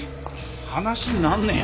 話になんねえよ。